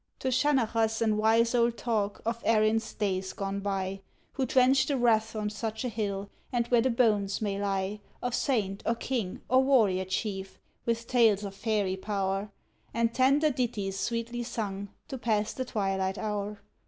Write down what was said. To 'seanachas' and wise old talk of Erin's days gone by Who trench'd the rath on such a hill, and where the bones may lie Of saint, or king, or warrior chief; with tales of fairy power, And tender ditties sweetly sung to pass the twilight hour.